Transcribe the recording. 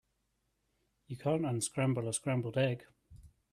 You can't unscramble a scrambled egg.